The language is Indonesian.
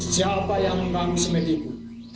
siapa yang mengganggu semediku